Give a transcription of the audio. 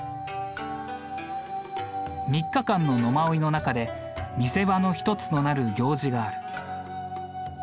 ３日間の野馬追の中で見せ場の一つとなる行事がある。